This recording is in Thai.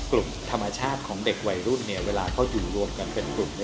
กลุ่มธรรมชาติของเด็กวัยรุ่นเวลาเขาอยู่รวมกันเป็นกลุ่ม